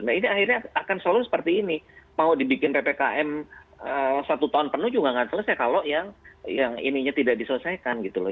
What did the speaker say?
nah ini akhirnya akan selalu seperti ini mau dibikin ppkm satu tahun penuh juga nggak selesai kalau yang ininya tidak diselesaikan gitu loh